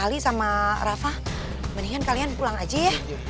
ali sama rafa mendingan kalian pulang aja ya